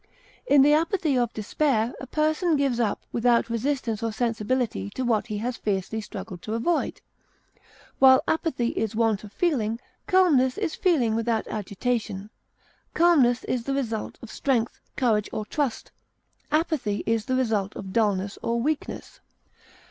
In the apathy of despair, a person gives up, without resistance or sensibility, to what he has fiercely struggled to avoid. While apathy is want of feeling, calmness is feeling without agitation. Calmness is the result of strength, courage, or trust; apathy is the result of dulness or weakness.